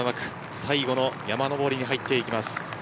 最後の山登りに入っていきます。